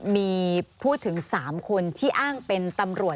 ปีอาทิตย์ห้ามีสปีอาทิตย์ห้ามีส